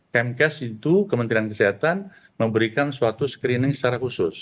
kemkes itu kementerian kesehatan memberikan suatu screening secara khusus